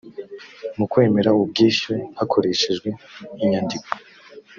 mu kwemera ubwishyu hakoreshejwe inyandiko